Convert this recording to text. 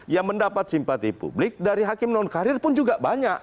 yang mendapat simpati publik dari hakim non karir pun juga banyak